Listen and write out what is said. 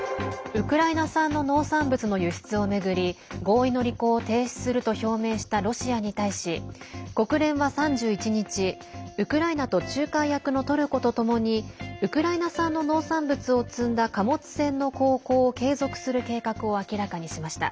ウクライナ産の農産物の輸出を巡り合意の履行を停止すると表明したロシアに対し国連は３１日、ウクライナと仲介役のトルコとともにウクライナ産の農産物を積んだ貨物船の航行を継続する計画を明らかにしました。